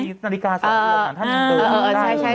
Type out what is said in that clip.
นาฬิกาสองเหลือท่าน